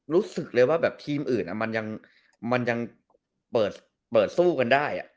รู้สึกเลยว่าแบบทีมอื่นมันยังเปิดสู้กันได้